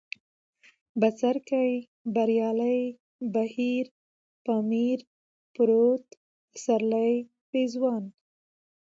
بڅرکى ، بريالی ، بهير ، پامير ، پروټ ، پسرلی ، پېزوان